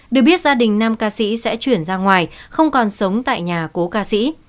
được biết gia đình nam ca sĩ sẽ chuyển ra ngoài không còn sống tại nhà cố ca sĩ